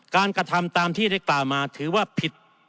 การกระทำตามที่ได้ตามมาถือว่าผิด